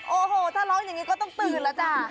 โอ้โหถ้าร้องอย่างนี้ก็ต้องตื่นแล้วจ้ะ